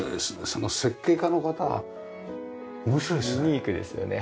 その設計家の方面白いですね。